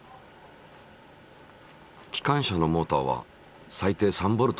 機関車のモーターは最低３Ｖで動く。